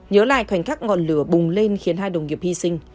nhớ lại khoảnh khắc ngọn lửa bùng lên khiến hai đồng nghiệp hy sinh